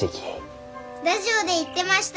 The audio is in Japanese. ラジオで言ってました。